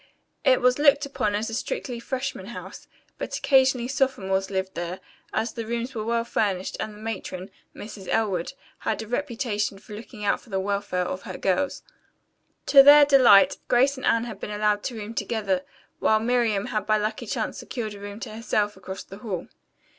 It was looked upon as a strictly freshman house, but occasionally sophomores lived there, as the rooms were well furnished and the matron, Mrs. Elwood, had a reputation for looking out for the welfare of her girls. To their delight Grace and Anne had been allowed to room together, while Miriam had by lucky chance secured a room to herself across the hall.